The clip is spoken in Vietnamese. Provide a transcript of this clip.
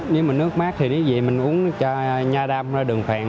nếu mà nước mát thì mình uống cho nhà đam ra đường phèn